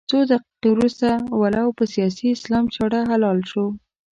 څو دقيقې وروسته ولو په سیاسي اسلام چاړه حلال شو.